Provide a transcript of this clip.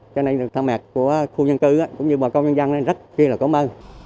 cho nên là tham mạc của khu dân cư cũng như bà công nhân dân rất kia là có mơ